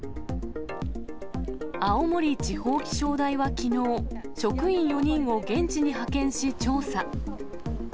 青森地方気象台はきのう、職員４人を現地に派遣し調査。